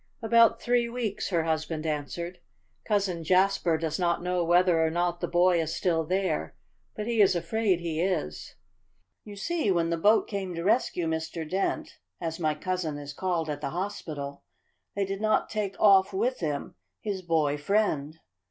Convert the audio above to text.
"About three weeks," her husband answered. "Cousin Jasper does not know whether or not the boy is still there, but he is afraid he is. You see when the boat came to rescue Mr. Dent, as my cousin is called at the hospital, they did not take off with him his boy friend.